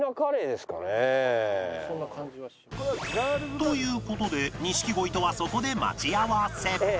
という事で錦鯉とはそこで待ち合わせ